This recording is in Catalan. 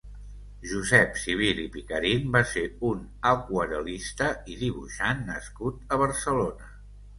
Josep Civil i Picarín va ser un aquarel·lista i dibuixant nascut a Barcelona.